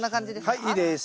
はいいいです。